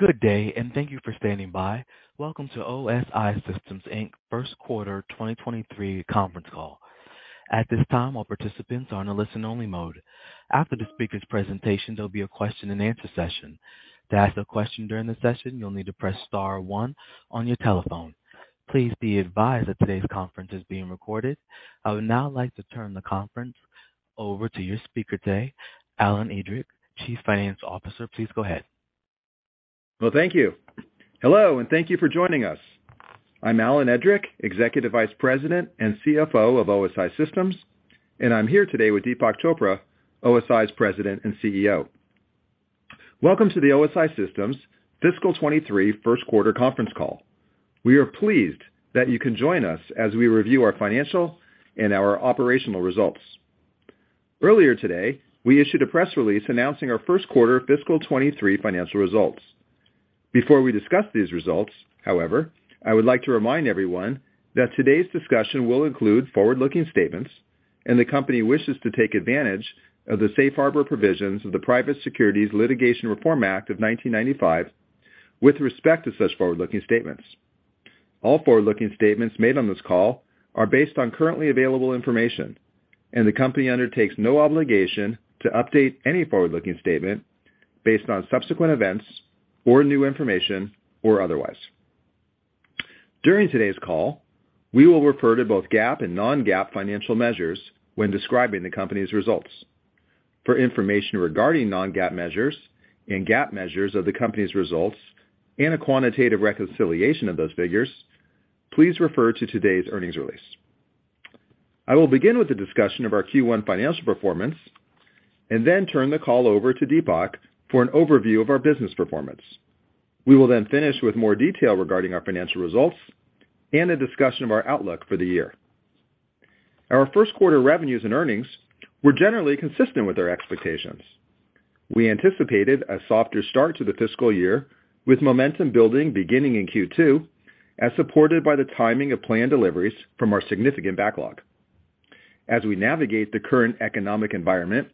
Good day, and thank you for standing by. Welcome to OSI Systems, Inc. First Quarter 2023 Conference Call. At this time, all participants are in a listen-only mode. After the speaker's presentation, there'll be a question-and-answer session. To ask a question during the session, you'll need to press star one on your telephone. Please be advised that today's conference is being recorded. I would now like to turn the conference over to your speaker today, Alan Edrick, Chief Financial Officer. Please go ahead. Well, thank you. Hello, and thank you for joining us. I'm Alan Edrick, Executive Vice President and CFO of OSI Systems, and I'm here today with Deepak Chopra, OSI's President and CEO. Welcome to the OSI Systems fiscal 2023 first quarter conference call. We are pleased that you can join us as we review our financial and our operational results. Earlier today, we issued a press release announcing our first quarter fiscal 2023 financial results. Before we discuss these results, however, I would like to remind everyone that today's discussion will include forward-looking statements, and the company wishes to take advantage of the safe harbor provisions of the Private Securities Litigation Reform Act of 1995 with respect to such forward-looking statements. All forward-looking statements made on this call are based on currently available information, and the company undertakes no obligation to update any forward-looking statement based on subsequent events or new information or otherwise. During today's call, we will refer to both GAAP and non-GAAP financial measures when describing the company's results. For information regarding non-GAAP measures and GAAP measures of the company's results and a quantitative reconciliation of those figures, please refer to today's earnings release. I will begin with the discussion of our Q1 financial performance and then turn the call over to Deepak for an overview of our business performance. We will then finish with more detail regarding our financial results and a discussion of our outlook for the year. Our first quarter revenues and earnings were generally consistent with our expectations. We anticipated a softer start to the fiscal year, with momentum building beginning in Q2, as supported by the timing of planned deliveries from our significant backlog. As we navigate the current economic environment,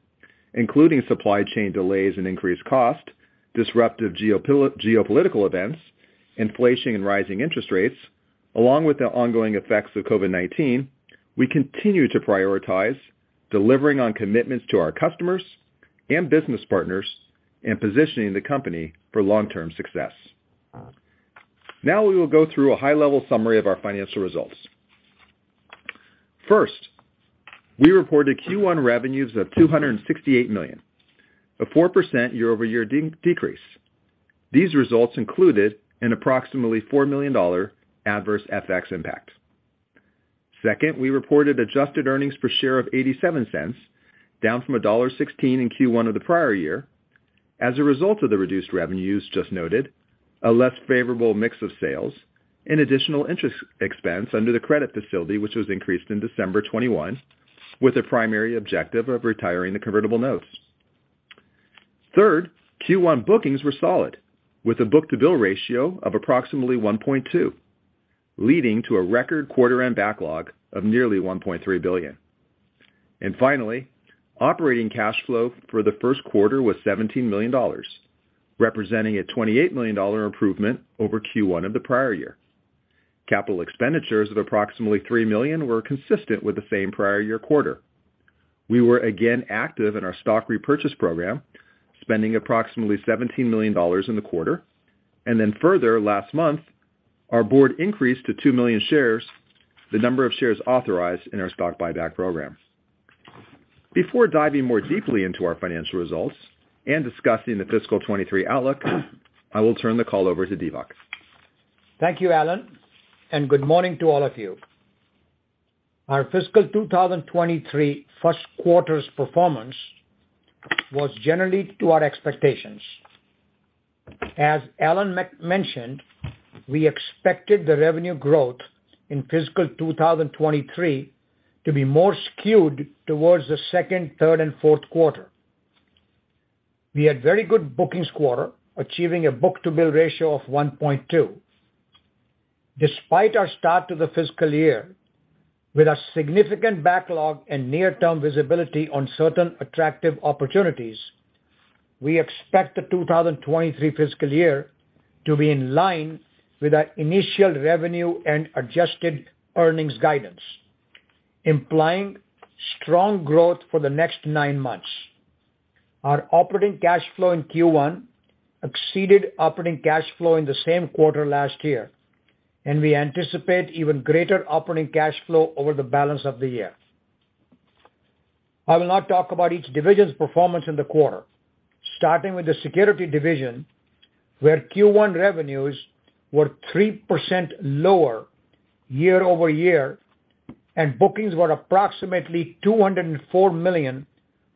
including supply chain delays and increased cost, disruptive geopolitical events, inflation and rising interest rates, along with the ongoing effects of COVID-19, we continue to prioritize delivering on commitments to our customers and business partners and positioning the company for long-term success. Now, we will go through a high-level summary of our financial results. First, we reported Q1 revenues of $268 million, a 4% year-over-year decrease. These results included an approximately $4 million adverse FX impact. Second, we reported adjusted earnings per share of $0.87, down from $1.16 in Q1 of the prior year. As a result of the reduced revenues just noted, a less favorable mix of sales and additional interest expense under the credit facility, which was increased in December 2021, with a primary objective of retiring the convertible notes. Third, Q1 bookings were solid, with a book-to-bill ratio of approximately 1.2, leading to a record quarter and backlog of nearly $1.3 billion. Finally, operating cash flow for the first quarter was $17 million, representing a $28 million improvement over Q1 of the prior year. Capital expenditures of approximately $3 million were consistent with the same prior year quarter. We were again active in our stock repurchase program, spending approximately $17 million in the quarter. Further last month, our board increased to 2 million shares the number of shares authorized in our stock buyback program. Before diving more deeply into our financial results and discussing the fiscal 2023 outlook, I will turn the call over to Deepak. Thank you, Alan, and good morning to all of you. Our fiscal 2023 first quarter's performance was generally to our expectations. As Alan mentioned, we expected the revenue growth in fiscal 2023 to be more skewed towards the second, third and fourth quarter. We had very good bookings quarter, achieving a book-to-bill ratio of 1.2. Despite our start to the fiscal year with a significant backlog and near-term visibility on certain attractive opportunities, we expect the 2023 fiscal year to be in line with our initial revenue and adjusted earnings guidance, implying strong growth for the next nine months. Our operating cash flow in Q1 exceeded operating cash flow in the same quarter last year, and we anticipate even greater operating cash flow over the balance of the year. I will now talk about each division's performance in the quarter, starting with the security division, where Q1 revenues were 3% lower year-over-year, and bookings were approximately $204 million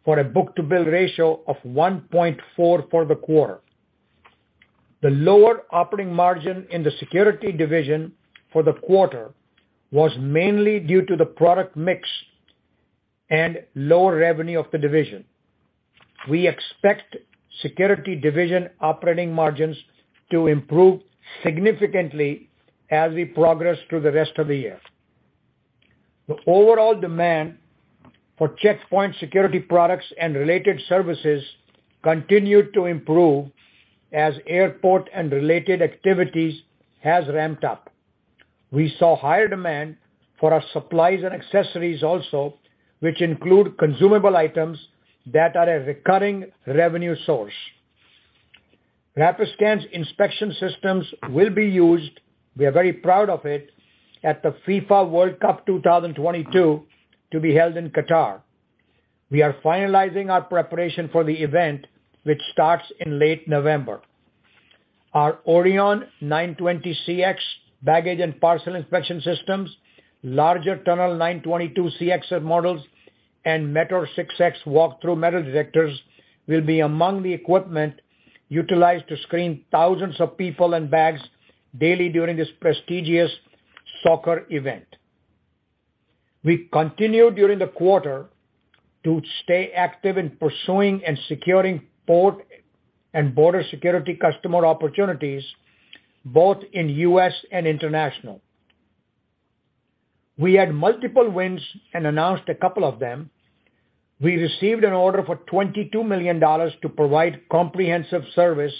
for a book-to-bill ratio of 1.4 for the quarter. The lower operating margin in the security division for the quarter was mainly due to the product mix and lower revenue of the division. We expect security division operating margins to improve significantly as we progress through the rest of the year. The overall demand for checkpoint security products and related services continued to improve as airport and related activities has ramped up. We saw higher demand for our supplies and accessories also, which include consumable items that are a recurring revenue source. Rapiscan's inspection systems will be used. We are very proud of it at the FIFA World Cup Qatar 2022 to be held in Qatar. We are finalizing our preparation for the event, which starts in late November. Our Orion 920CX baggage and parcel inspection systems, larger tunnel 922CX models, and Metor 6X walk-through metal detectors will be among the equipment utilized to screen thousands of people and bags daily during this prestigious soccer event. We continued during the quarter to stay active in pursuing and securing port and border security customer opportunities, both in the U.S. and internationally. We had multiple wins and announced a couple of them. We received an order for $22 million to provide comprehensive service,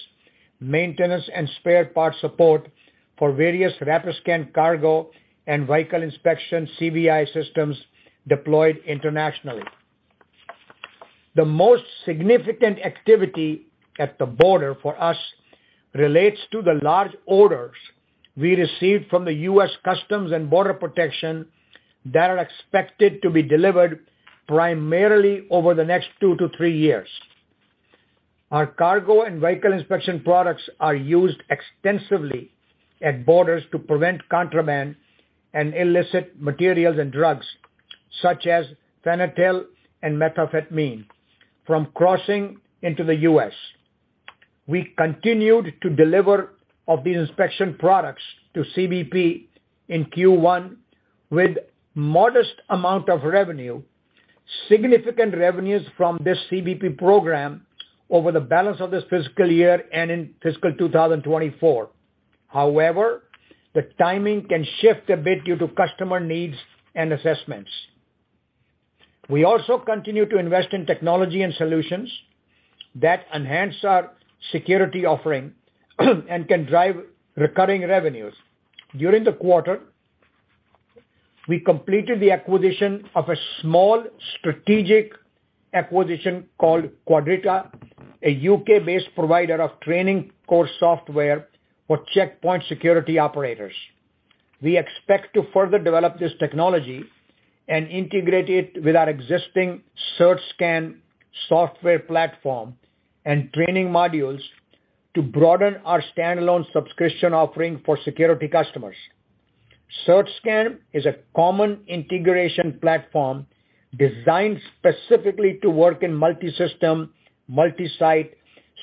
maintenance, and spare parts support for various Rapiscan cargo and vehicle inspection CVI systems deployed internationally. The most significant activity at the border for us relates to the large orders we received from the U.S. Customs and Border Protection that are expected to be delivered primarily over the next 2-3 years. Our cargo and vehicle inspection products are used extensively at borders to prevent contraband and illicit materials and drugs, such as fentanyl and methamphetamine, from crossing into the U.S. We continued to delivery of these inspection products to CBP in Q1 with modest amount of revenue, significant revenues from this CBP program over the balance of this fiscal year and in fiscal 2024. However, the timing can shift a bit due to customer needs and assessments. We also continue to invest in technology and solutions that enhance our security offering, and can drive recurring revenues. During the quarter, we completed the acquisition of a small strategic acquisition called Quadriga, a UK-based provider of training course software for checkpoint security operators. We expect to further develop this technology and integrate it with our existing CertScan software platform and training modules to broaden our standalone subscription offering for security customers. CertScan is a common integration platform designed specifically to work in multisystem, multisite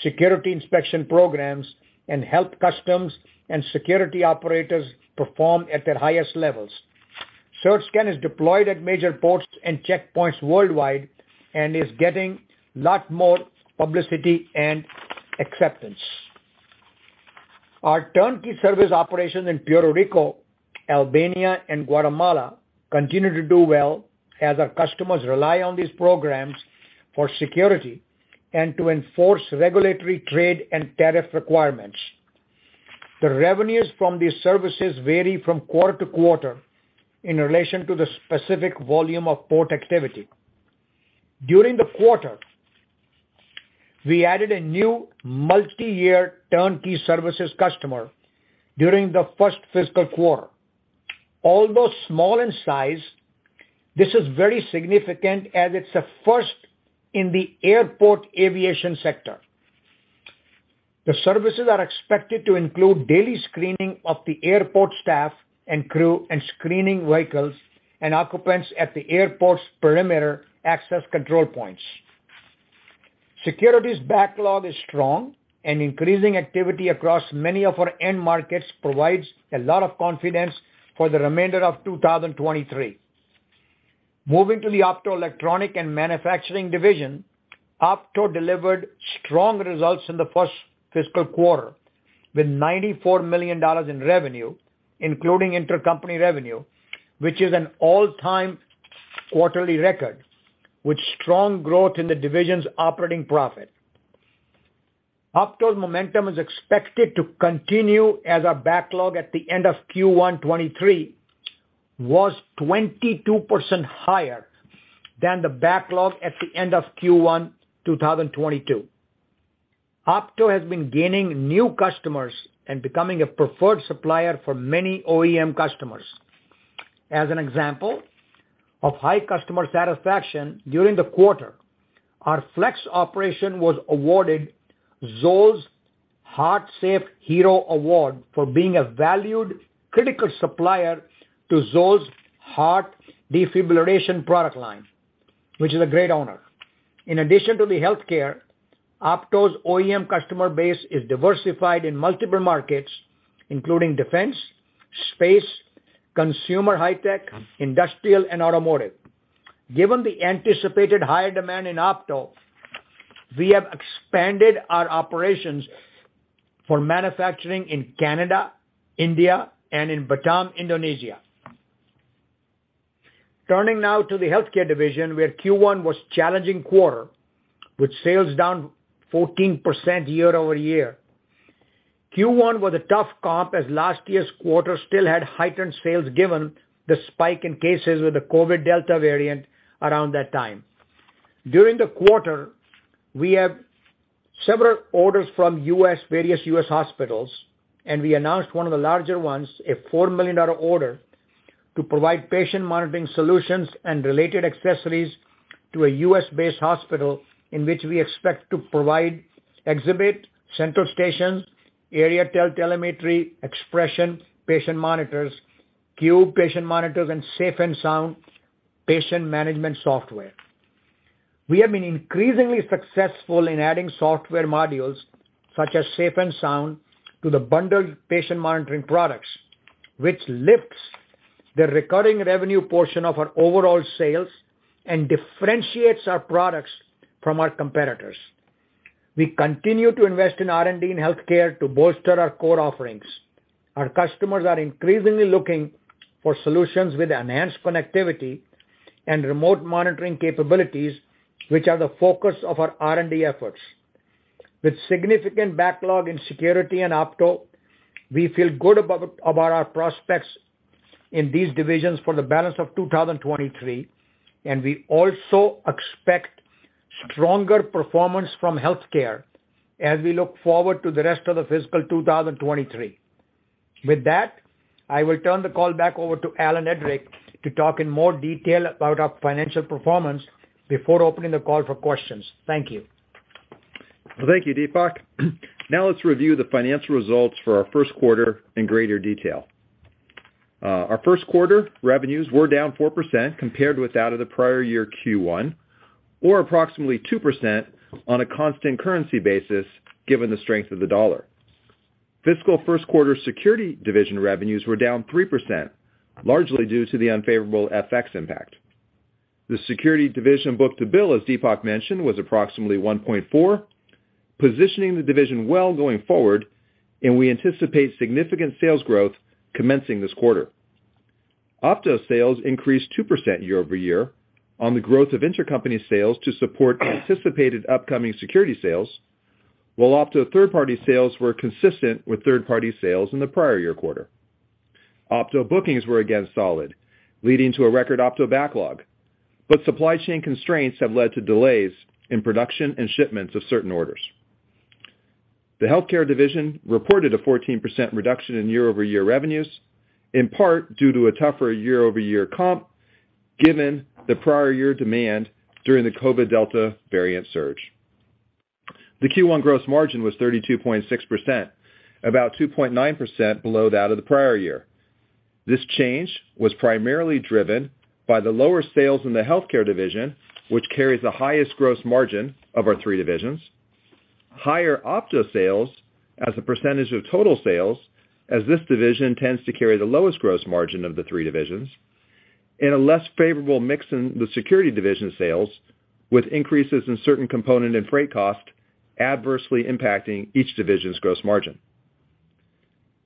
security inspection programs and help customs and security operators perform at their highest levels. CertScan is deployed at major ports and checkpoints worldwide and is getting a lot more publicity and acceptance. Our turnkey service operations in Puerto Rico, Albania, and Guatemala continue to do well as our customers rely on these programs for security and to enforce regulatory trade and tariff requirements. The revenues from these services vary from quarter to quarter in relation to the specific volume of port activity. During the quarter, we added a new multiyear turnkey services customer during the first fiscal quarter. Although small in size, this is very significant as it's the first in the airport aviation sector. The services are expected to include daily screening of the airport staff and crew, and screening vehicles and occupants at the airport's perimeter access control points. Security's backlog is strong, and increasing activity across many of our end markets provides a lot of confidence for the remainder of 2023. Moving to the Optoelectronics and Manufacturing division, Opto delivered strong results in the first fiscal quarter, with $94 million in revenue, including intercompany revenue, which is an all-time quarterly record, with strong growth in the division's operating profit. Opto's momentum is expected to continue as our backlog at the end of Q1 2023 was 22% higher than the backlog at the end of Q1 2022. Opto has been gaining new customers and becoming a preferred supplier for many OEM customers. As an example of high customer satisfaction during the quarter, our Flex operation was awarded ZOLL's Heart-Safe Hero Award for being a valued critical supplier to ZOLL's heart defibrillation product line, which is a great honor. In addition to the healthcare, Opto's OEM customer base is diversified in multiple markets, including defense, space, consumer high tech, industrial, and automotive. Given the anticipated higher demand in Opto. We have expanded our operations for manufacturing in Canada, India, and in Batam, Indonesia. Turning now to the healthcare division, where Q1 was a challenging quarter, with sales down 14% year-over-year. Q1 was a tough comp as last year's quarter still had heightened sales given the spike in cases with the COVID Delta variant around that time. During the quarter, we have several orders from U.S., various U.S. hospitals, and we announced one of the larger ones, a $4 million order, to provide patient monitoring solutions and related accessories to a U.S.-based hospital in which we expect to provide Xhibit central stations, AriaTele telemetry, Xprezzon patient monitors, Qube patient monitors, and SafeNSound patient management software. We have been increasingly successful in adding software modules such as SafeNSound to the bundled patient monitoring products, which lifts the recurring revenue portion of our overall sales and differentiates our products from our competitors. We continue to invest in R&D in healthcare to bolster our core offerings. Our customers are increasingly looking for solutions with enhanced connectivity and remote monitoring capabilities, which are the focus of our R&D efforts. With significant backlog in security and Opto, we feel good about our prospects in these divisions for the balance of 2023, and we also expect stronger performance from healthcare as we look forward to the rest of the fiscal 2023. With that, I will turn the call back over to Alan Edrick to talk in more detail about our financial performance before opening the call for questions. Thank you. Well, thank you, Deepak. Now let's review the financial results for our first quarter in greater detail. Our first quarter revenues were down 4% compared with that of the prior year Q1, or approximately 2% on a constant currency basis, given the strength of the dollar. Fiscal first quarter security division revenues were down 3%, largely due to the unfavorable FX impact. The security division book-to-bill, as Deepak mentioned, was approximately 1.4, positioning the division well going forward, and we anticipate significant sales growth commencing this quarter. Opto sales increased 2% year-over-year on the growth of intercompany sales to support anticipated upcoming security sales, while Opto third-party sales were consistent with third-party sales in the prior year quarter. Opto bookings were again solid, leading to a record Opto backlog, but supply chain constraints have led to delays in production and shipments of certain orders. The healthcare division reported a 14% reduction in year-over-year revenues, in part due to a tougher year-over-year comp given the prior year demand during the COVID Data variant surge. The Q1 gross margin was 32.6%, about 2.9% below that of the prior year. This change was primarily driven by the lower sales in the healthcare division, which carries the highest gross margin of our three divisions. Higher Opto sales as a percentage of total sales, as this division tends to carry the lowest gross margin of the three divisions, and a less favorable mix in the security division sales, with increases in certain component and freight costs adversely impacting each division's gross margin.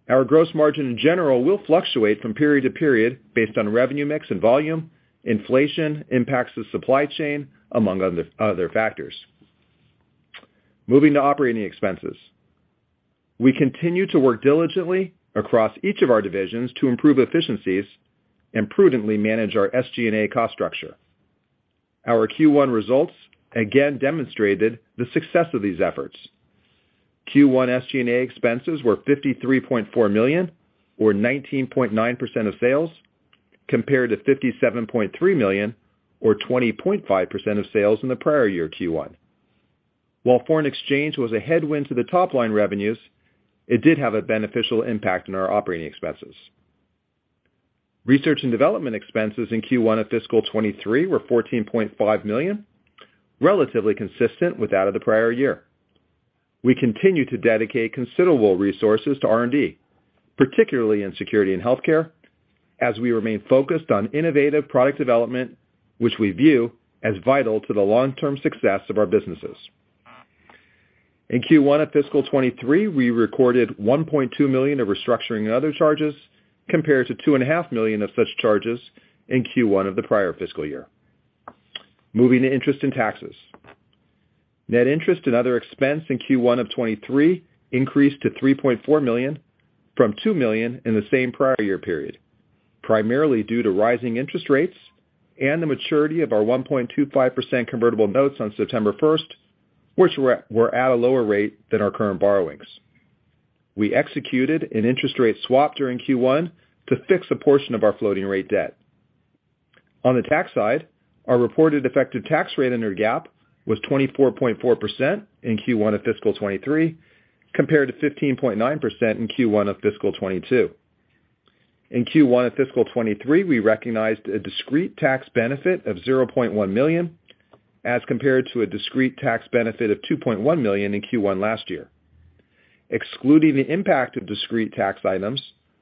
Our gross margin in general will fluctuate from period to period based on revenue mix and volume, inflation impacts the supply chain, among other factors. Moving to operating expenses. We continue to work diligently across each of our divisions to improve efficiencies and prudently manage our SG&A cost structure. Our Q1 results again demonstrated the success of these efforts. Q1 SG&A expenses were $53.4 million or 19.9% of sales, compared to $57.3 million or 20.5% of sales in the prior year Q1. While foreign exchange was a headwind to the top line revenues, it did have a beneficial impact on our operating expenses. Research and development expenses in Q1 of fiscal 2023 were $14.5 million, relatively consistent with that of the prior year. We continue to dedicate considerable resources to R&D, particularly in security and healthcare, as we remain focused on innovative product development, which we view as vital to the long-term success of our businesses. In Q1 of fiscal 2023, we recorded $1.2 million of restructuring and other charges, compared to $2.5 million of such charges in Q1 of the prior fiscal year. Moving to interest and taxes. Net interest and other expense in Q1 of 2023 increased to $3.4 million from $2 million in the same prior year period, primarily due to rising interest rates and the maturity of our 1.25% convertible notes on September first, which were at a lower rate than our current borrowings. We executed an interest rate swap during Q1 to fix a portion of our floating rate debt. On the tax side, our reported effective tax rate under GAAP was 24.4% in Q1 of fiscal 2023, compared to 15.9% in Q1 of fiscal 2022. In Q1 of fiscal 2023, we recognized a discrete tax benefit of $0.1 million, as compared to a discrete tax benefit of $2.1 million in Q1 last year. Excluding the impact of discrete tax items,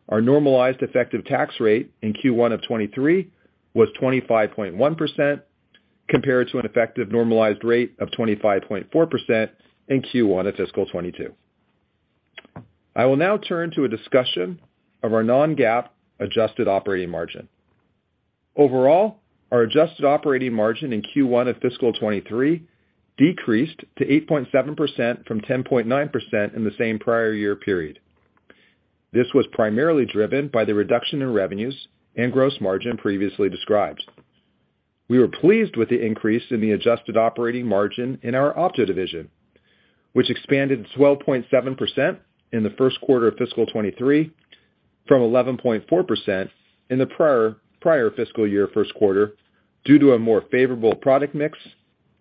our normalized effective tax rate in Q1 of 2023 was 25.1% compared to an effective normalized rate of 25.4% in Q1 of fiscal 2022. I will now turn to a discussion of our non-GAAP adjusted operating margin. Overall, our adjusted operating margin in Q1 of fiscal 2023 decreased to 8.7% from 10.9% in the same prior year period. This was primarily driven by the reduction in revenues and gross margin previously described. We were pleased with the increase in the adjusted operating margin in our Opto division, which expanded to 12.7% in the first quarter of fiscal 2023 from 11.4% in the prior fiscal year first quarter due to a more favorable product mix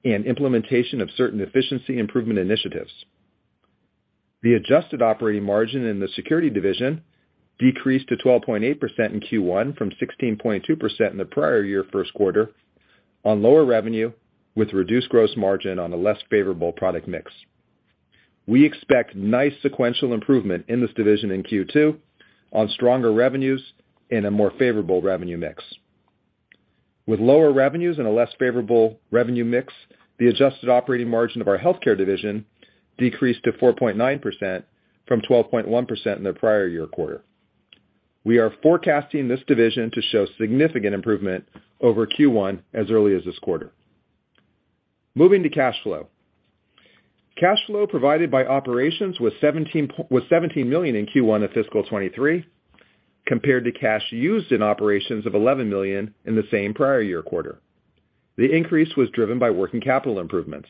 and implementation of certain efficiency improvement initiatives. The adjusted operating margin in the security division decreased to 12.8% in Q1 from 16.2% in the prior year first quarter on lower revenue with reduced gross margin on a less favorable product mix. We expect nice sequential improvement in this division in Q2 on stronger revenues and a more favorable revenue mix. With lower revenues and a less favorable revenue mix, the adjusted operating margin of our healthcare division decreased to 4.9% from 12.1% in the prior year quarter. We are forecasting this division to show significant improvement over Q1 as early as this quarter. Moving to cash flow. Cash flow provided by operations was $17 million in Q1 of fiscal 2023, compared to cash used in operations of $11 million in the same prior year quarter. The increase was driven by working capital improvements.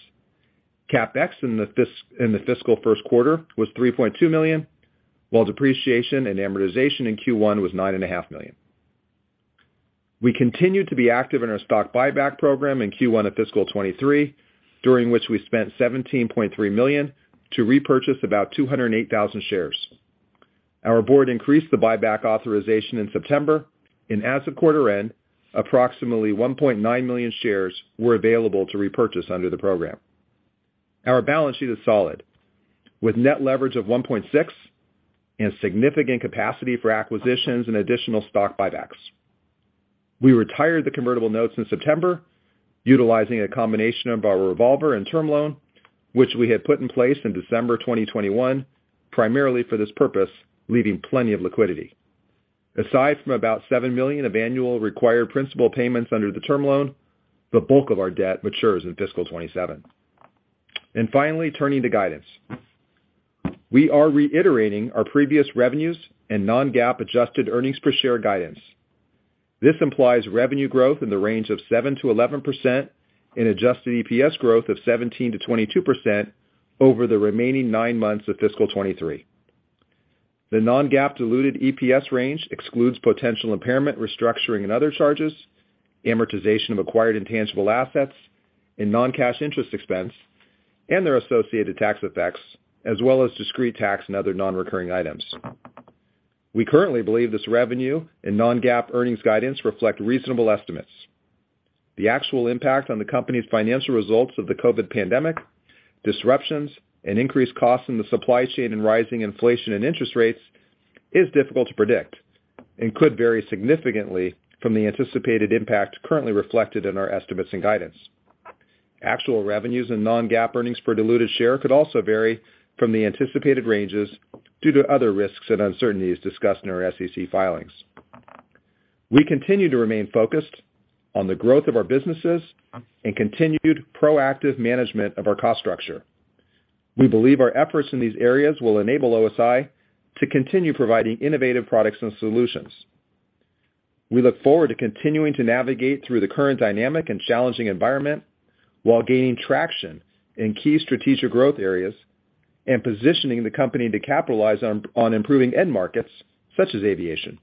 CapEx in the fiscal first quarter was $3.2 million, while depreciation and amortization in Q1 was $9.5 million. We continued to be active in our stock buyback program in Q1 of fiscal 2023, during which we spent $17.3 million to repurchase about 208,000 shares. Our board increased the buyback authorization in September. As of quarter end, approximately 1.9 million shares were available to repurchase under the program. Our balance sheet is solid, with net leverage of 1.6 and significant capacity for acquisitions and additional stock buybacks. We retired the convertible notes in September, utilizing a combination of our revolver and term loan, which we had put in place in December 2021, primarily for this purpose, leaving plenty of liquidity. Aside from about $7 million of annual required principal payments under the term loan, the bulk of our debt matures in fiscal 2027. Finally, turning to guidance. We are reiterating our previous revenues and non-GAAP adjusted earnings per share guidance. This implies revenue growth in the range of 7%-11% and adjusted EPS growth of 17%-22% over the remaining 9 months of fiscal 2023. The non-GAAP diluted EPS range excludes potential impairment, restructuring, and other charges, amortization of acquired intangible assets and non-cash interest expense and their associated tax effects, as well as discrete tax and other non-recurring items. We currently believe this revenue and non-GAAP earnings guidance reflect reasonable estimates. The actual impact on the company's financial results of the COVID pandemic, disruptions, and increased costs in the supply chain and rising inflation and interest rates is difficult to predict and could vary significantly from the anticipated impact currently reflected in our estimates and guidance. Actual revenues and non-GAAP earnings per diluted share could also vary from the anticipated ranges due to other risks and uncertainties discussed in our SEC filings. We continue to remain focused on the growth of our businesses and continued proactive management of our cost structure. We believe our efforts in these areas will enable OSI to continue providing innovative products and solutions. We look forward to continuing to navigate through the current dynamic and challenging environment while gaining traction in key strategic growth areas and positioning the company to capitalize on improving end markets such as aviation.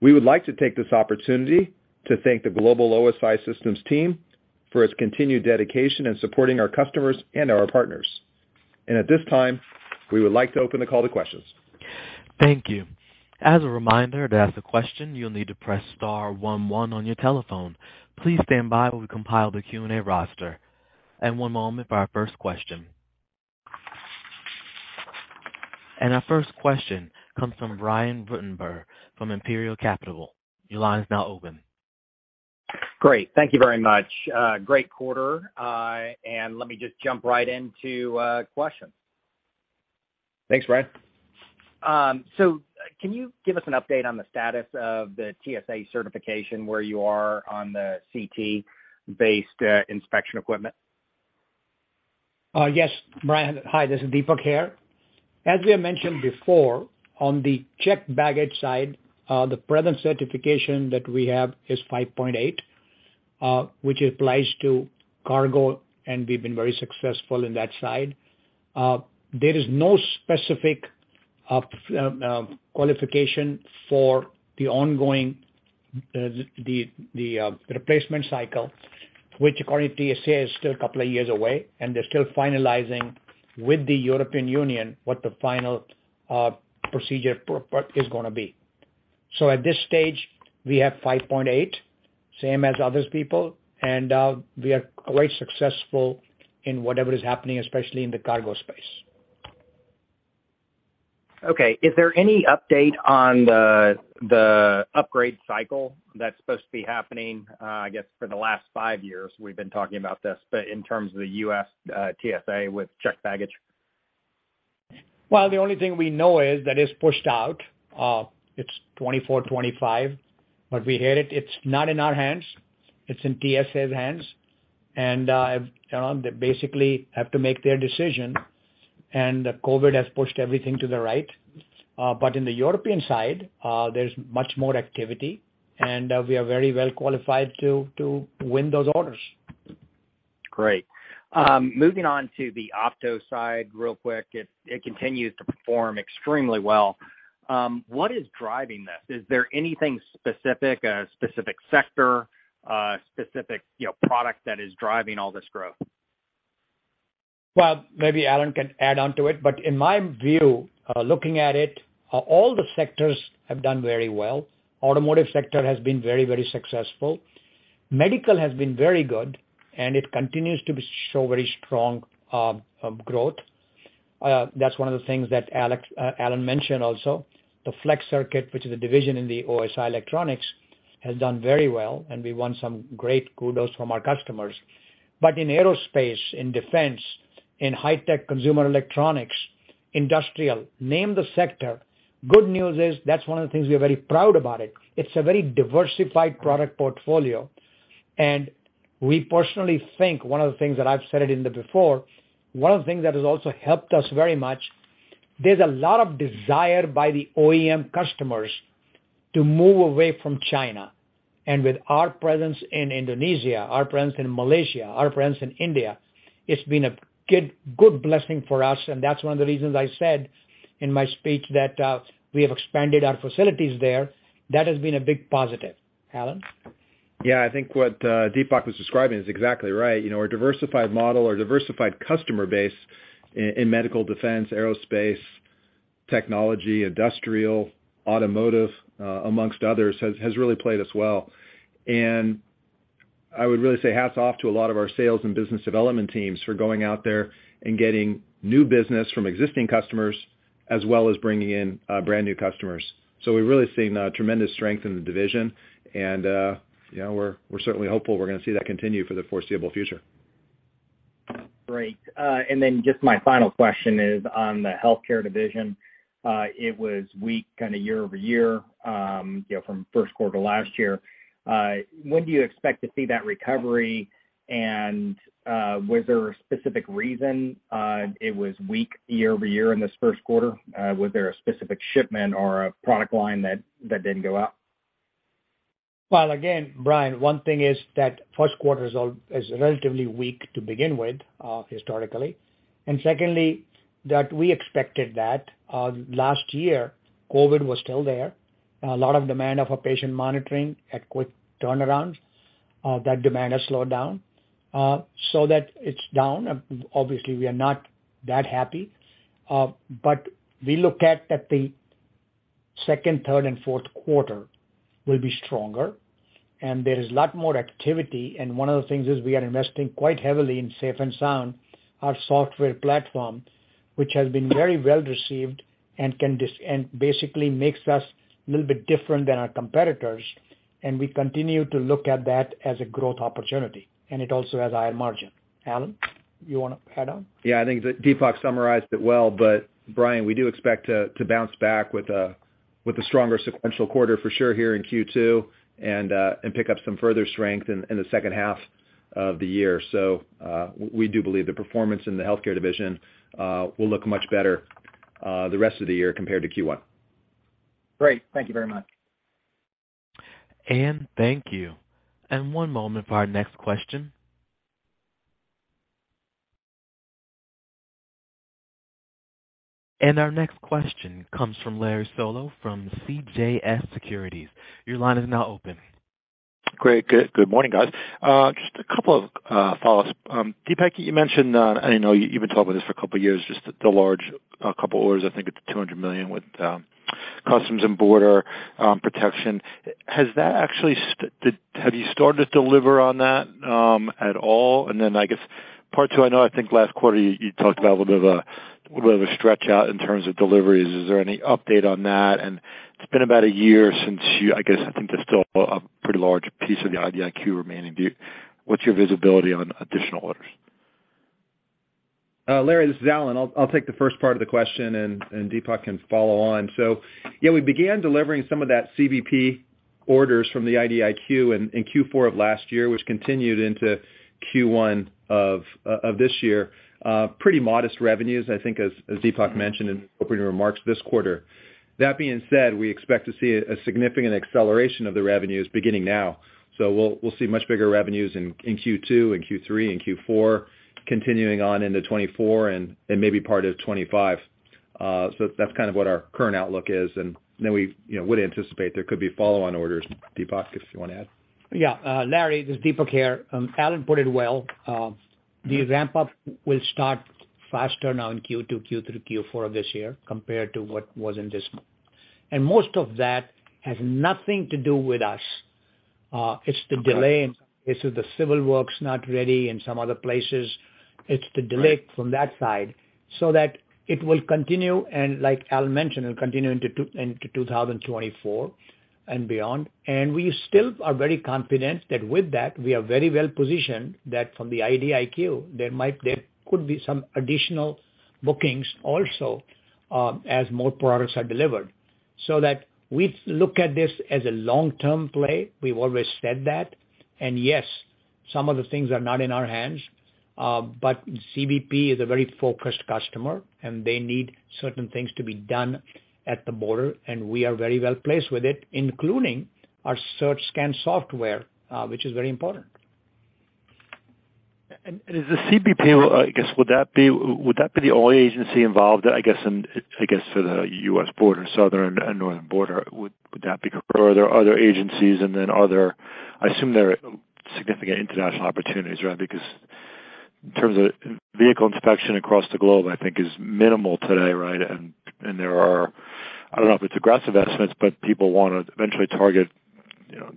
We would like to take this opportunity to thank the global OSI Systems team for its continued dedication in supporting our customers and our partners. At this time, we would like to open the call to questions. Thank you. As a reminder, to ask a question, you'll need to press star one one on your telephone. Please stand by while we compile the Q&A roster. One moment for our first question. Our first question comes from Brian Ruttenbur from Imperial Capital. Your line is now open. Great. Thank you very much. Great quarter. Let me just jump right into questions. Thanks, Brian. Can you give us an update on the status of the TSA certification, where you are on the CT-based inspection equipment? Yes, Brian. Hi, this is Deepak here. As we have mentioned before, on the checked baggage side, the present certification that we have is 5.8, which applies to cargo, and we've been very successful in that side. There is no specific qualification for the ongoing replacement cycle, which according to TSA, is still a couple of years away, and they're still finalizing with the European Union what the final procedure for is gonna be. At this stage, we have 5.8, same as other people, and we are very successful in whatever is happening, especially in the cargo space. Okay. Is there any update on the upgrade cycle that's supposed to be happening, I guess for the last five years we've been talking about this, but in terms of the U.S., TSA with checked baggage? Well, the only thing we know is that it's pushed out. It's 2024, 2025, but we hear it. It's not in our hands. It's in TSA's hands. You know, they basically have to make their decision, and the COVID has pushed everything to the right. In the European side, there's much more activity, and we are very well qualified to win those orders. Great. Moving on to the Opto side real quick. It continues to perform extremely well. What is driving this? Is there anything specific, a specific sector, specific, you know, product that is driving all this growth? Well, maybe Alan can add on to it, but in my view, looking at it, all the sectors have done very well. Automotive sector has been very successful. Medical has been very good, and it continues to show very strong growth. That's one of the things that Alan mentioned also. The Flexible Circuits, which is a division in OSI Electronics, has done very well, and we won some great kudos from our customers. In aerospace, in defense, in high-tech consumer electronics, industrial, name the sector, good news is that's one of the things we are very proud about it. It's a very diversified product portfolio. We personally think one of the things that I've said it before, one of the things that has also helped us very much, there's a lot of desire by the OEM customers to move away from China. With our presence in Indonesia, our presence in Malaysia, our presence in India, it's been a good blessing for us, and that's one of the reasons I said in my speech that we have expanded our facilities there. That has been a big positive. Alan. Yeah. I think what Deepak was describing is exactly right. You know, our diversified model, our diversified customer base in medical, defense, aerospace, technology, industrial, automotive, among others, has really played us well. I would really say hats off to a lot of our sales and business development teams for going out there and getting new business from existing customers as well as bringing in brand new customers. We're really seeing a tremendous strength in the division, and you know, we're certainly hopeful we're gonna see that continue for the foreseeable future. Great. Just my final question is on the healthcare division. It was weak kind of year-over-year, you know, from first quarter last year. When do you expect to see that recovery? Was there a specific reason it was weak year-over-year in this first quarter? Was there a specific shipment or a product line that didn't go out? Well, again, Brian, one thing is that first quarter is relatively weak to begin with, historically. Secondly, that we expected that. Last year, COVID was still there. A lot of demand of a patient monitoring at quick turnaround. That demand has slowed down. So that it's down, obviously we are not that happy. We look at that the second, third, and fourth quarter will be stronger and there is a lot more activity, and one of the things is we are investing quite heavily in SafeNSound, our software platform, which has been very well received and basically makes us a little bit different than our competitors, and we continue to look at that as a growth opportunity, and it also has higher margin. Alan, you wanna add on? Yeah, I think that Deepak summarized it well, but Brian, we do expect to bounce back with a stronger sequential quarter for sure here in Q2 and pick up some further strength in the second half of the year. We do believe the performance in the healthcare division will look much better the rest of the year compared to Q1. Great. Thank you very much. Thank you. One moment for our next question. Our next question comes from Larry Solow from CJS Securities. Your line is now open. Good morning, guys. Just a couple of follow-ups. Deepak, you mentioned, and I know you've been talking about this for a couple of years, just the large couple orders, I think it's $200 million with U.S. Customs and Border Protection. Have you started to deliver on that at all? And then I guess part two, I know I think last quarter you talked about a little bit of a stretch out in terms of deliveries. Is there any update on that? And it's been about a year. I guess I think there's still a pretty large piece of the IDIQ remaining. What's your visibility on additional orders? Larry, this is Alan. I'll take the first part of the question and Deepak can follow on. Yeah, we began delivering some of that CBP orders from the IDIQ in Q4 of last year, which continued into Q1 of this year. Pretty modest revenues, I think as Deepak mentioned in opening remarks this quarter. That being said, we expect to see a significant acceleration of the revenues beginning now. We'll see much bigger revenues in Q2 and Q3 and Q4, continuing on into 2024 and maybe part of 2025. That's kind of what our current outlook is. We, you know, would anticipate there could be follow-on orders. Deepak, if you wanna add. Yeah. Larry, this is Deepak here. Alan put it well. The ramp up will start faster now in Q2, Q3, Q4 of this year compared to what was in this one. Most of that has nothing to do with us. It's the delay. In some places, the civil work's not ready. In some other places, it's the delay from that side, so that it will continue. Like Alan mentioned, it'll continue into 2024 and beyond. We still are very confident that with that, we are very well-positioned, that from the IDIQ, there could be some additional bookings also, as more products are delivered. That we look at this as a long-term play. We've always said that. Yes, some of the things are not in our hands, but CBP is a very focused customer, and they need certain things to be done at the border, and we are very well-placed with it, including our CertScan software, which is very important. Is the CBP, I guess, would that be the only agency involved, I guess, in, I guess, for the U.S. border, southern and northern border? Would that be? Or are there other agencies and then other agencies? I assume there are significant international opportunities, right? Because in terms of vehicle inspection across the globe, I think is minimal today, right? There are, I don't know if it's aggressive estimates, but people wanna eventually target, you know,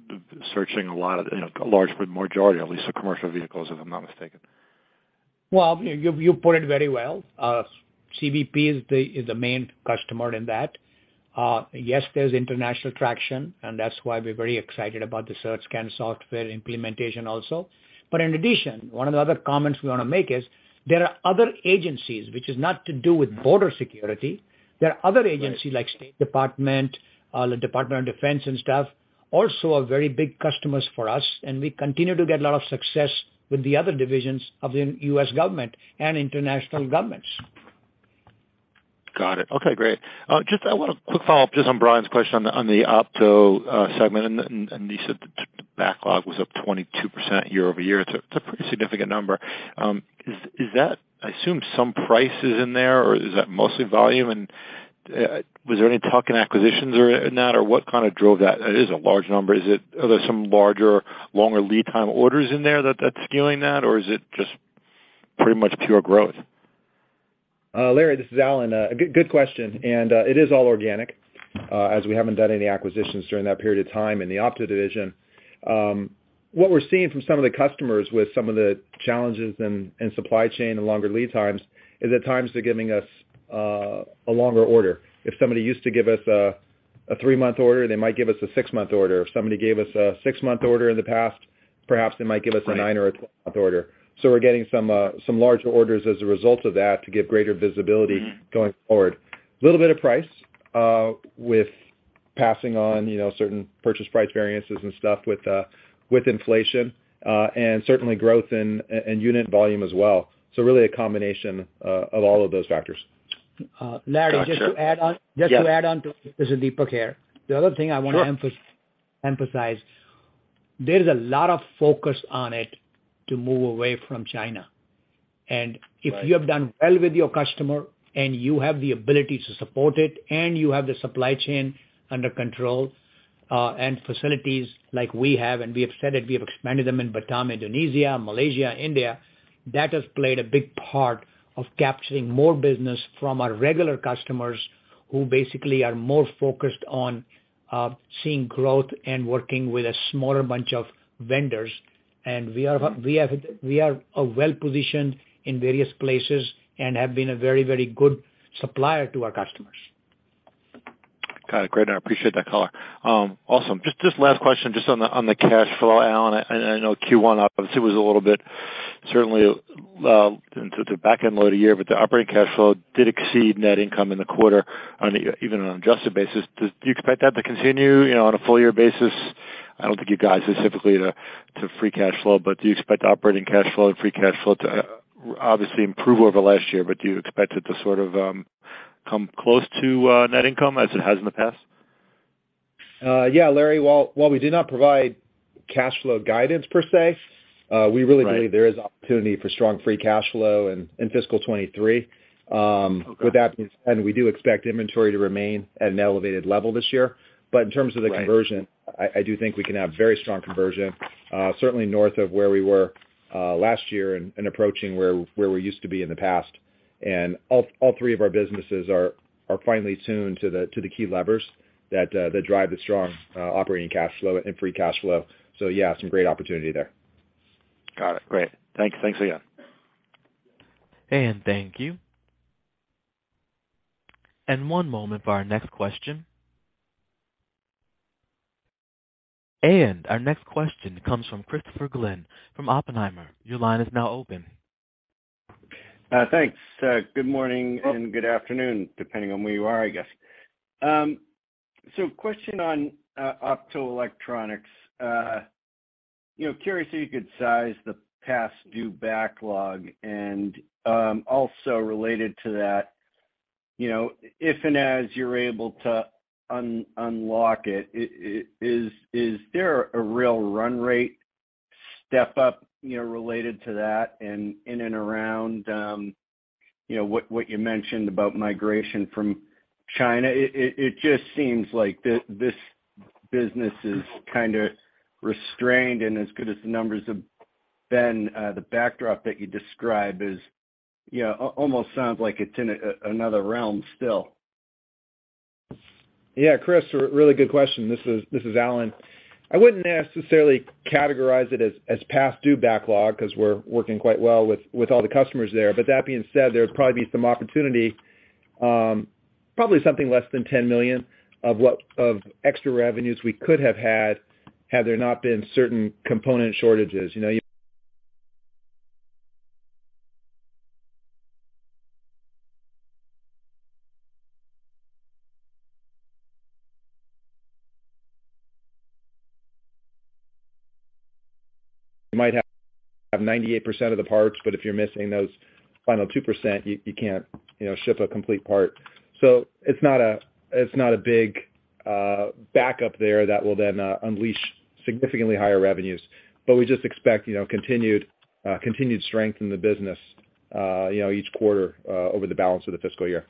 searching a lot of, you know, a large majority of at least the commercial vehicles, if I'm not mistaken. Well, you put it very well. CBP is the main customer in that. Yes, there's international traction, and that's why we're very excited about the CertScan software implementation also. In addition, one of the other comments we wanna make is there are other agencies which is not to do with border security. There are other agencies like State Department, the Department of Defense and stuff, also are very big customers for us, and we continue to get a lot of success with the other divisions of the U.S. government and international governments. Got it. Okay, great. Just I want a quick follow-up just on Brian's question on the Opto segment, and you said the backlog was up 22% year-over-year. It's a pretty significant number. Is that? I assume some price is in there, or is that mostly volume? And was there any talk in acquisitions or in that, or what kinda drove that? That is a large number. Is it? Are there some larger, longer lead time orders in there that's scaling that, or is it just pretty much pure growth? Larry, this is Alan. A good question. It is all organic, as we haven't done any acquisitions during that period of time in the Opto division. What we're seeing from some of the customers with some of the challenges in supply chain and longer lead times is at times they're giving us a longer order. If somebody used to give us a 3-month order, they might give us a 6-month order. If somebody gave us a 6-month order in the past, perhaps they might give us a 9 or 12 month order. We're getting some larger orders as a result of that to give greater visibility going forward. Little bit of price with passing on, you know, certain purchase price variances and stuff with inflation, and certainly growth and unit volume as well. Really a combination of all of those factors. Larry, just to add on. Yeah. This is Deepak here. The other thing I wanna Sure. Emphasize, there's a lot of focus on it to move away from China. If you have done well with your customer and you have the ability to support it and you have the supply chain under control, and facilities like we have, and we have said it, we have expanded them in Batam, Indonesia, Malaysia, India, that has played a big part of capturing more business from our regular customers who basically are more focused on seeing growth and working with a smaller bunch of vendors. We are well-positioned in various places and have been a very good supplier to our customers. Got it. Great. I appreciate that (call). Awesome. Just last question on the cash flow, Alan. I know Q1 obviously was a little bit certainly into the back-end-loaded year, but the operating cash flow did exceed net income in the quarter even on an adjusted basis. Do you expect that to continue, you know, on a full year basis? I don't think you guys specifically to free cash flow, but do you expect operating cash flow and free cash flow to obviously improve over last year, but do you expect it to sort of come close to net income as it has in the past? Yeah, Larry, while we do not provide cash flow guidance per se, we really believe there is opportunity for strong free cash flow in fiscal 2023. With that being said, we do expect inventory to remain at an elevated level this year. In terms of the conversion, I do think we can have very strong conversion, certainly north of where we were last year and approaching where we used to be in the past. All three of our businesses are finely tuned to the key levers that drive the strong operating cash flow and free cash flow. Yeah, some great opportunity there. Got it. Great. Thanks again. Thank you. One moment for our next question. Our next question comes from Christopher Glynn from Oppenheimer. Your line is now open. Thanks. Good morning and good afternoon, depending on where you are, I guess. Question on Optoelectronics. You know, curious if you could size the past due backlog. Also related to that, you know, if and as you're able to unlock it, is there a real run rate step up, you know, related to that in and around, you know, what you mentioned about migration from China? It just seems like this business is kinda restrained and as good as the numbers have been, the backdrop that you describe is, you know, almost sounds like it's in another realm still. Yeah, Chris, a really good question. This is Alan. I wouldn't necessarily categorize it as past due backlog because we're working quite well with all the customers there. That being said, there'd probably be some opportunity, probably something less than $10 million of extra revenues we could have had there not been certain component shortages. You know, you might have 98% of the parts, but if you're missing those final 2%, you can't ship a complete part. It's not a big backup there that will then unleash significantly higher revenues. We just expect continued strength in the business, you know, each quarter over the balance of the fiscal year.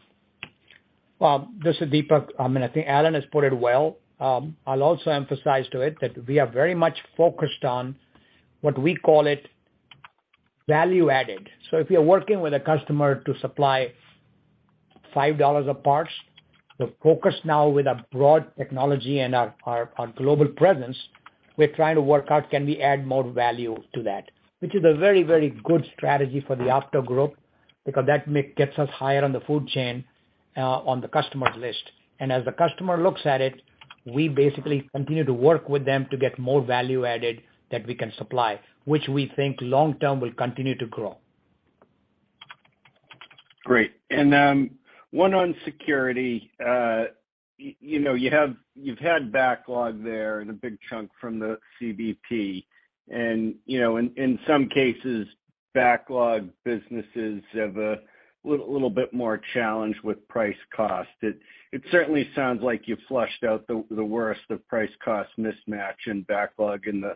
Well, this is Deepak. I mean, I think Alan has put it well. I'll also emphasize to it that we are very much focused on what we call it value added. If you're working with a customer to supply $5 of parts, the focus now with our broad technology and our global presence, we're trying to work out can we add more value to that, which is a very, very good strategy for the after growth, because that gets us higher on the food chain, on the customer's list. As the customer looks at it, we basically continue to work with them to get more value added that we can supply, which we think long term will continue to grow. Great. One on security. You know, you've had backlog there and a big chunk from the CBP. You know, in some cases, backlog businesses have a little bit more challenge with price cost. It certainly sounds like you flushed out the worst of price cost mismatch and backlog in the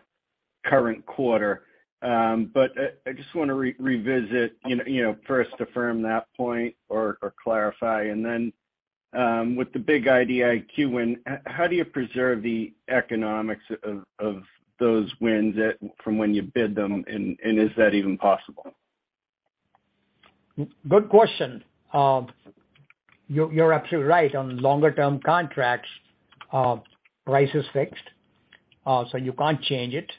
current quarter. I just wanna revisit, you know, first affirm that point or clarify. With the big IDIQ win, how do you preserve the economics of those wins from when you bid them? Is that even possible? Good question. You're absolutely right. On longer term contracts, price is fixed, so you can't change it.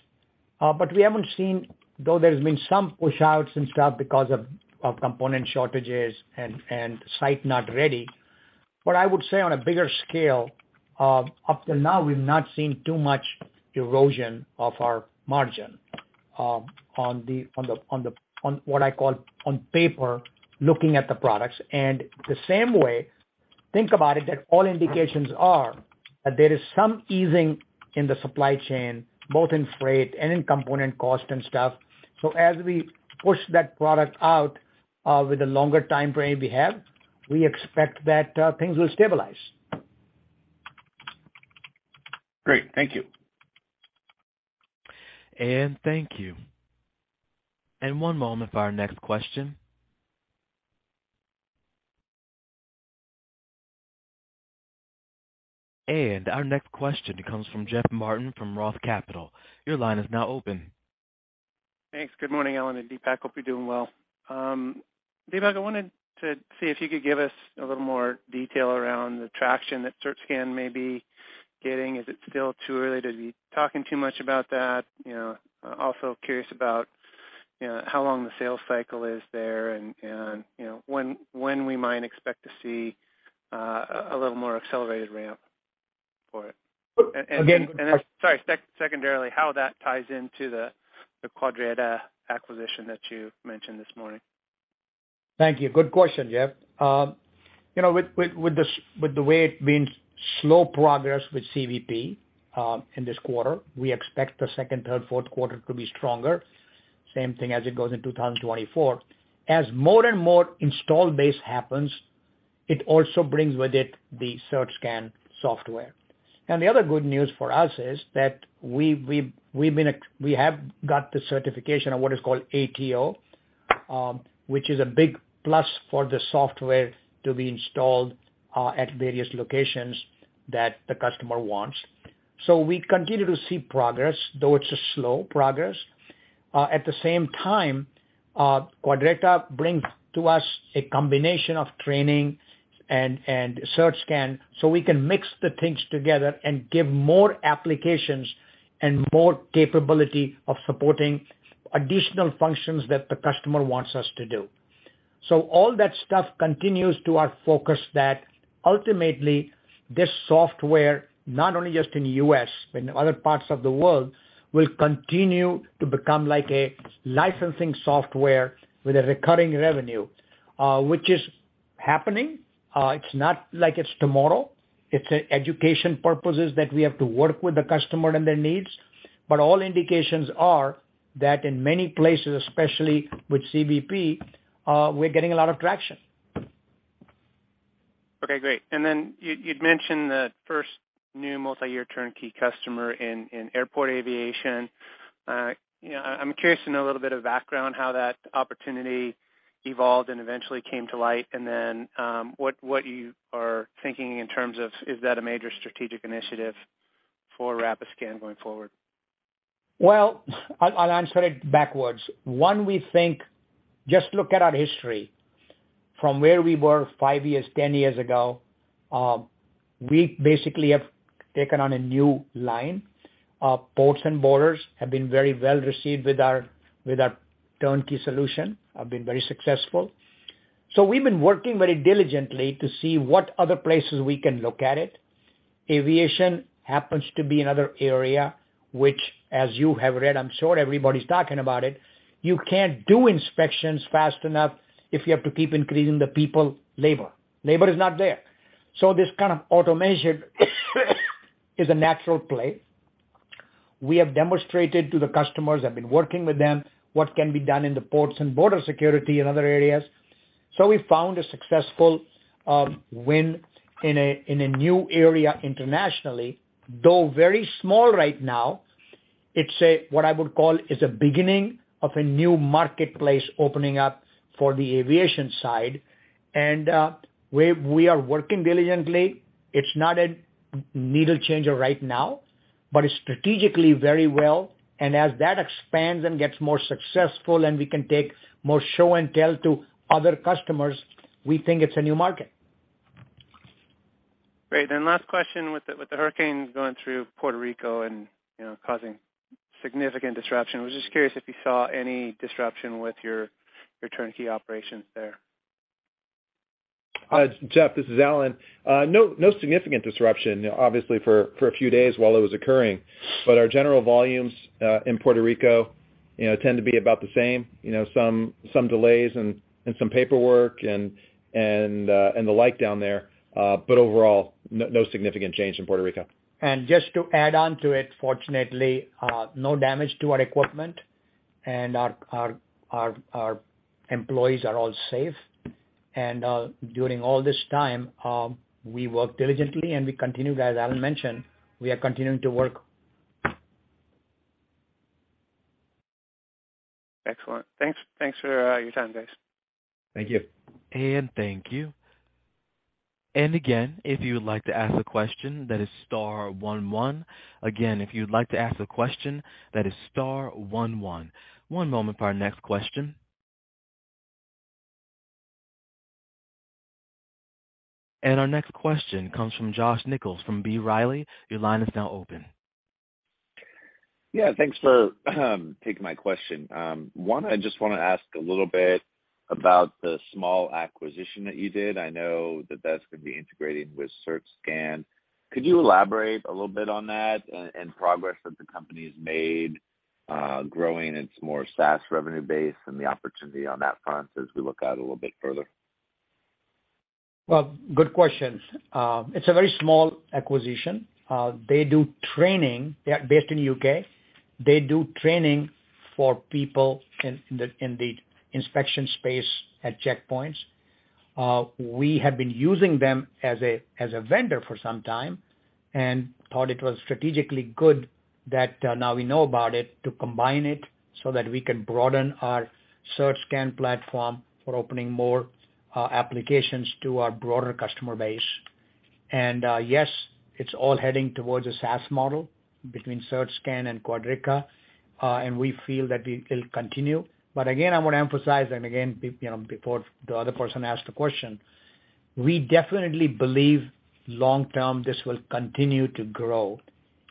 But we haven't seen, though there's been some pushouts and stuff because of component shortages and site not ready. What I would say on a bigger scale, up till now, we've not seen too much erosion of our margin, on what I call on paper looking at the products. The same way, think about it, that all indications are that there is some easing in the supply chain, both in freight and in component cost and stuff. As we push that product out, with the longer timeframe we have, we expect that things will stabilize. Great. Thank you. Thank you. One moment for our next question. Our next question comes from Jeff Martin from Roth Capital. Your line is now open. Thanks. Good morning, Alan and Deepak. Hope you're doing well. Deepak, I wanted to see if you could give us a little more detail around the traction that CertScan may be getting. Is it still too early to be talking too much about that? You know, also curious about, you know, how long the sales cycle is there and, you know, when we might expect to see a little more accelerated ramp for it. Again- Secondarily, how that ties into the Quadriga acquisition that you mentioned this morning? Thank you. Good question, Jeff. You know, with the way it's been slow progress with CBP, in this quarter, we expect the second, third, fourth quarter to be stronger. Same thing as it goes in 2024. As more and more install base happens, it also brings with it the CertScan software. Now the other good news for us is that we have got the certification of what is called ATO, which is a big plus for the software to be installed at various locations that the customer wants. We continue to see progress, though it's a slow progress. At the same time, Quadreta brings to us a combination of training and CertScan, so we can mix the things together and give more applications and more capability of supporting additional functions that the customer wants us to do. All that stuff continues to our focus that ultimately this software, not only just in the U.S., but in other parts of the world, will continue to become like a licensing software with a recurring revenue, which is happening. It's not like it's tomorrow. It's education purposes that we have to work with the customer and their needs. All indications are that in many places, especially with CBP, we're getting a lot of traction. Okay, great. You'd mentioned the first new multi-year turnkey customer in airport aviation. You know, I'm curious to know a little bit of background how that opportunity evolved and eventually came to light and then what you are thinking in terms of is that a major strategic initiative for Rapiscan going forward? Well, I'll answer it backwards. One, we think just look at our history from where we were five years, ten years ago, we basically have taken on a new line of ports and borders, have been very well received with our turnkey solution, have been very successful. We've been working very diligently to see what other places we can look at it. Aviation happens to be another area which as you have read, I'm sure everybody's talking about it. You can't do inspections fast enough if you have to keep increasing the people labor. Labor is not there. This kind of automation is a natural play. We have demonstrated to the customers, have been working with them, what can be done in the ports and border security and other areas. We found a successful win in a new area internationally, though very small right now, it's what I would call a beginning of a new marketplace opening up for the aviation side. We are working diligently. It's not a game changer right now, but strategically very well. As that expands and gets more successful and we can take more show and tell to other customers, we think it's a new market. Great. Last question with the hurricanes going through Puerto Rico and, you know, causing significant disruption. I was just curious if you saw any disruption with your turnkey operations there. Jeff, this is Alan. No significant disruption, obviously for a few days while it was occurring. Our general volumes in Puerto Rico, you know, tend to be about the same, you know, some delays and some paperwork and the like down there. Overall, no significant change in Puerto Rico. Just to add on to it, fortunately, no damage to our equipment and our employees are all safe. During all this time, we work diligently and we continue to, as Alan mentioned, we are continuing to work. Excellent. Thanks for your time, guys. Thank you. Thank you. Again, if you would like to ask a question, that is star one one. Again, if you'd like to ask a question, that is star one one. One moment for our next question. Our next question comes from Josh Nichols, from B. Riley. Your line is now open. Yeah, thanks for taking my question. One, I just wanna ask a little bit about the small acquisition that you did. I know that that's gonna be integrated with CertScan. Could you elaborate a little bit on that and progress that the company's made growing its more SaaS revenue base and the opportunity on that front as we look out a little bit further? Well, good questions. It's a very small acquisition. They do training. They are based in U.K. They do training for people in the inspection space at checkpoints. We have been using them as a vendor for some time and thought it was strategically good that now we know about it, to combine it so that we can broaden our CertScan platform for opening more applications to our broader customer base. Yes, it's all heading towards a SaaS model between CertScan and Quadriga, and we feel that it will continue. But again, I wanna emphasize, and again, you know, before the other person asked the question, we definitely believe long term this will continue to grow.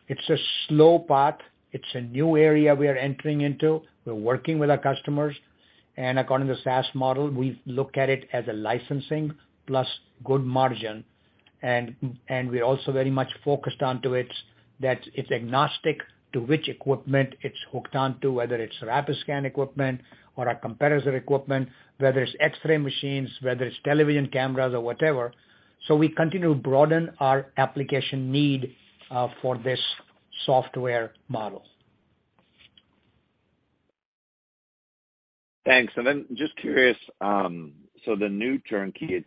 It's a slow path. It's a new area we are entering into. We're working with our customers, and according to SaaS model, we look at it as a licensing plus good margin. We're also very much focused onto it that it's agnostic to which equipment it's hooked onto, whether it's Rapiscan equipment or a competitor equipment, whether it's X-ray machines, whether it's television cameras or whatever. We continue to broaden our application need, for this software model. Thanks. Just curious, so the new turnkey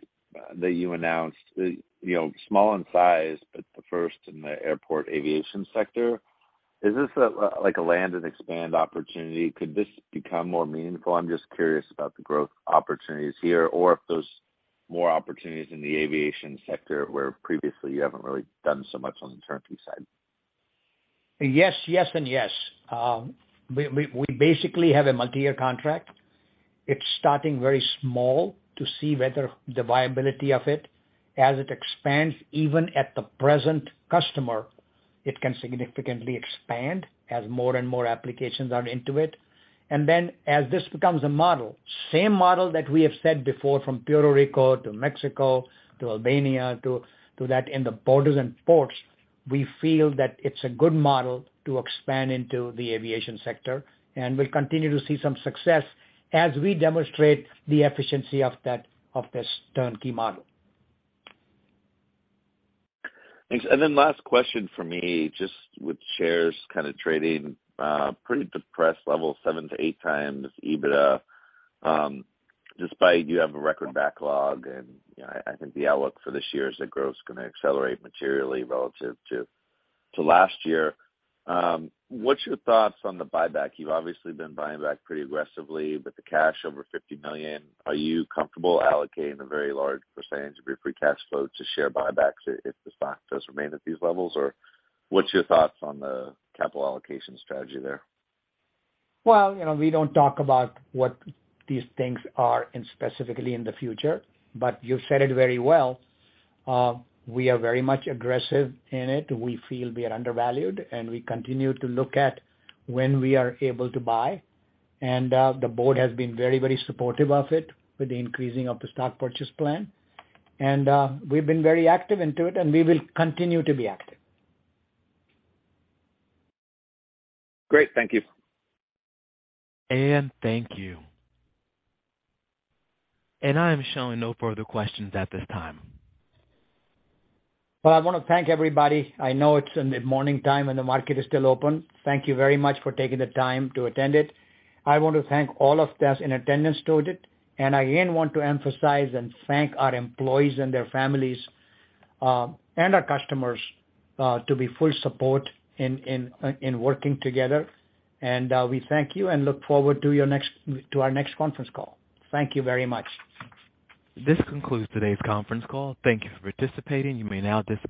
that you announced, you know, small in size, but the first in the airport aviation sector, is this a, like a land and expand opportunity? Could this become more meaningful? I'm just curious about the growth opportunities here or if there's more opportunities in the aviation sector where previously you haven't really done so much on the turnkey side. Yes, yes and yes. We basically have a multi-year contract. It's starting very small to see whether the viability of it. As it expands, even at the present customer, it can significantly expand as more and more applications are into it. Then as this becomes a model, same model that we have said before from Puerto Rico to Mexico to Albania to that in the borders and ports, we feel that it's a good model to expand into the aviation sector. We'll continue to see some success as we demonstrate the efficiency of this turnkey model. Thanks. Then last question for me, just with shares kind of trading pretty depressed levels 7-8 times EBITDA, despite you have a record backlog and I think the outlook for this year is that growth is gonna accelerate materially relative to last year. What's your thoughts on the buyback? You've obviously been buying back pretty aggressively with the cash over $50 million. Are you comfortable allocating a very large percentage of your free cash flow to share buybacks if the stock does remain at these levels? Or what's your thoughts on the capital allocation strategy there? Well, you know, we don't talk about what these things are in specifically in the future, but you've said it very well. We are very much aggressive in it. We feel we are undervalued, and we continue to look at when we are able to buy. The board has been very, very supportive of it with the increasing of the stock purchase plan. We've been very active into it and we will continue to be active. Great. Thank you. Thank you. I'm showing no further questions at this time. Well, I wanna thank everybody. I know it's in the morning time and the market is still open. Thank you very much for taking the time to attend it. I want to thank all of us in attendance to it, and I again want to emphasize and thank our employees and their families, and our customers, to be full support in working together. We thank you and look forward to our next conference call. Thank you very much. This concludes today's conference call. Thank you for participating. You may now disconnect.